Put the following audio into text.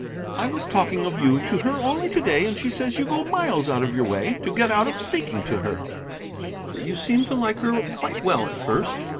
I was talking of you to her only to day, and she says you go miles out of your way to get out of speaking to her; that you seemed to like her quite well at first.